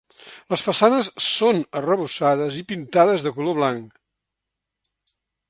Les façanes són arrebossades i pintades de color blanc.